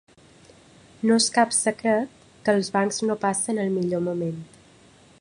No és cap secret que els bancs no passen el millor moment.